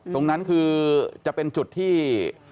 ตรงนั้นคือจะเป็นจุดที่